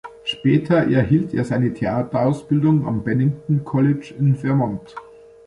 Später erhielt er seine Theaterausbildung am Bennington College in Vermont.